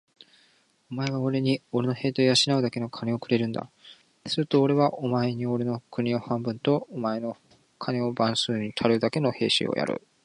お前はおれにおれの兵隊を養うだけ金をくれるんだ。するとおれはお前におれの国を半分と、お前の金を番するのにたるだけの兵隊をやる。